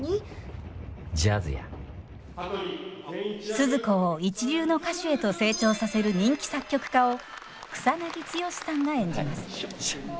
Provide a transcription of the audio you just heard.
スズ子を一流の歌手へと成長させる人気作曲家を草剛さんが演じます。